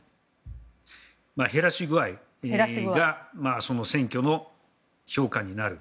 減らし具合が選挙の評価になる。